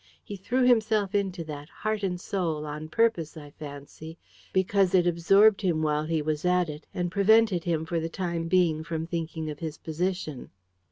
He threw himself into that, heart and soul, on purpose, I fancy, because it absorbed him while he was at it, and prevented him for the time being from thinking of his position."